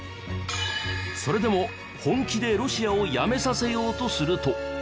それでも本気でロシアをやめさせようとすると。